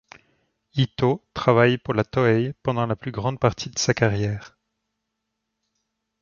Itō travaille pour la Tōei pendant la plus grande partie de sa carrière.